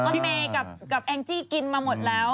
รถเมย์กับแองจี้กินมาหมดแล้ว